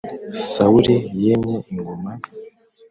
Sawuli yimye ingoma